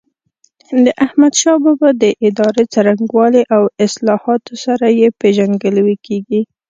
د احمدشاه بابا د ادارې څرنګوالي او اصلاحاتو سره یې پيژندګلوي کېږي.